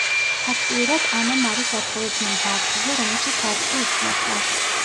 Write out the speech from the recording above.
ფაქტიურად ანა მარის ათხოვებდნენ ბავშვზე, რომელსაც არც კი იცნობდა.